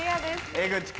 江口君。